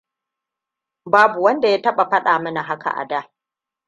Babu wanda ya taɓa faɗa min haka a da.